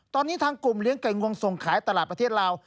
ตอนนี้ทางกลุ่มเลี้ยงไก่งงส่งขายตลาดประเทศลาว